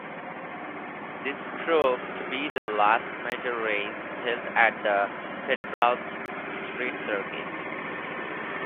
This proved to be the last major race held at the Pedralbes street circuit.